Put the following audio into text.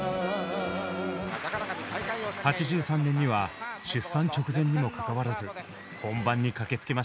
８３年には出産直前にもかかわらず本番に駆けつけました。